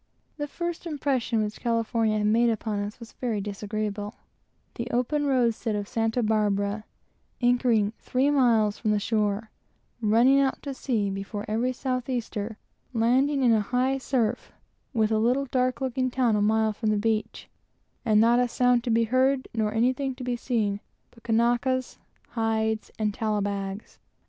The first impression which California had made upon us was very disagreeable: the open roadstead of Santa Barbara; anchoring three miles from the shore; running out to sea before every south easter; landing in a high surf; with a little dark looking town, a mile from the beach; and not a sound to be heard, or anything to be seen, but Sandwich Islanders, hides, and tallow bags.